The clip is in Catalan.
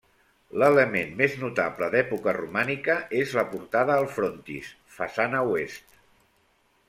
L'element més notable d'època romànica és la portada al frontis, façana oest.